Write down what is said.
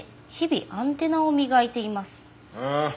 「日々アンテナを磨いています」ん？